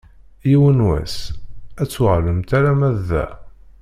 Yiwen n wass ad d-tuɣalemt alamma d da.